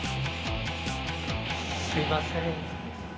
すみません。